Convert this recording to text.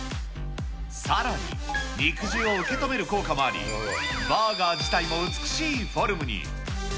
さらに、肉汁を受け止める効果もあり、バーガー自体も美しいフォルムに。